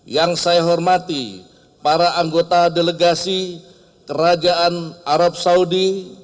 yang saya hormati para anggota delegasi kerajaan arab saudi